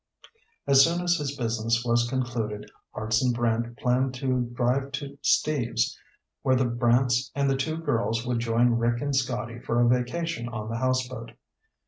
As soon as his business was concluded, Hartson Brant planned to drive to Steve's, where the Brants and the two girls would join Rick and Scotty for a vacation on the houseboat.